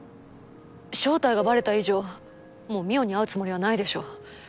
正体がバレた以上もう望緒に会うつもりはないでしょ。